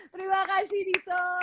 terima kasih dito